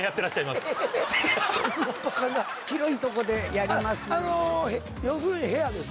広いとこでやりますので。